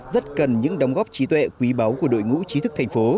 rất cần những đóng góp trí tuệ quý báu của đội ngũ trí thức thành phố